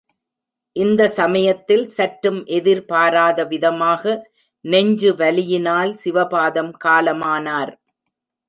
இந்த சமயத்தில் சற்றும் எதிர்பாராத விதமாக நெஞ்சுவலியினால் சிவபாதம் காலமானார்.